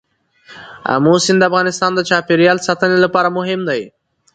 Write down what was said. آمو سیند د افغانستان د چاپیریال ساتنې لپاره مهم دی.